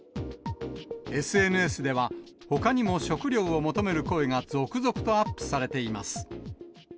ＳＮＳでは、ほかにも食料を求める声が続々とアップされています。